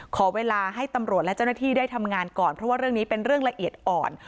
ขอเวลาให้ตำรวจและเจ้าหน้าที่ได้ทำงานก่อนเพราะว่าเรื่องนี้เป็นเรื่องละเอียดอ่อน